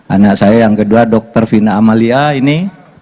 anak saya yang kedua dr fina amalia ini